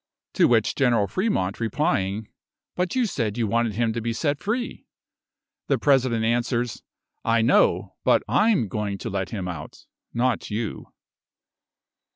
To which General Fremont replying, "But you said you wanted him to be set free," the President answers, "I know; but I'm going to let him out not you."